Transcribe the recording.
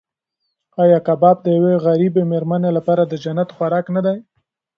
ایا کباب د یوې غریبې مېرمنې لپاره د جنت خوراک نه دی؟